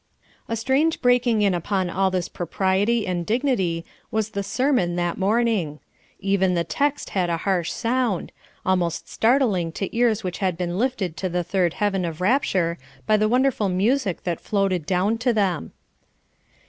A strange breaking in upon all this propriety and dignity was the sermon that morning. Even the text had a harsh sound, almost startling to ears which had been lifted to the third heaven of rapture by the wonderful music that floated down to them.